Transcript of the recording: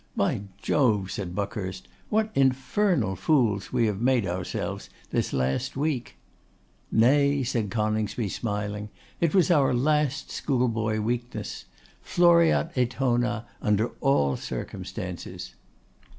'By Jove!' said Buckhurst, 'what infernal fools we have made ourselves this last week!' 'Nay,' said Coningsby, smiling, 'it was our last schoolboy weakness. Floreat Etona, under all circumstances.